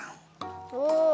お。